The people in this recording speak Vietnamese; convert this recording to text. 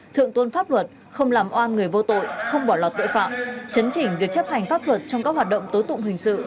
thượng tôn pháp luật không làm oan người vô tội không bỏ lọt tội phạm chấn chỉnh việc chấp hành pháp luật trong các hoạt động tối tụng hình sự